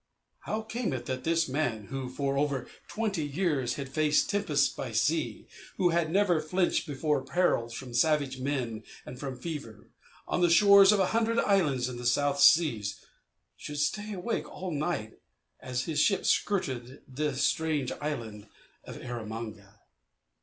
How came it that this man, who for over twenty years had faced tempests by sea, who had never flinched before perils from savage men and from fever, on the shores of a hundred islands in the South Seas, should stay awake all night as his ship skirted the strange island of Erromanga?